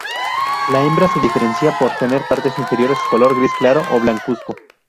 La hembra se diferencia por tener las partes inferiores color gris claro o blancuzco.